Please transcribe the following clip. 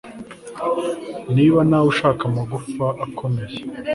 niba nawe ushaka amagufa akomeye